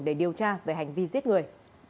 để điều tra về hành vi giết người